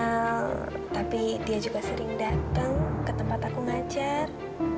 aku juga gak kenal tapi dia juga sering dateng ke tempat aku ngajar